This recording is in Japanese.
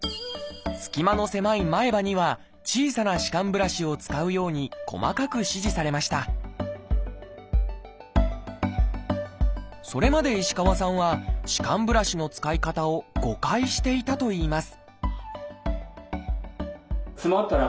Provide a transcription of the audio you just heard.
すき間の狭い前歯には小さな歯間ブラシを使うように細かく指示されましたそれまで石川さんは歯間ブラシの使い方を誤解していたといいます